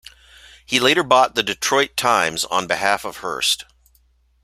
He later bought the "Detroit Times" on behalf of Hearst.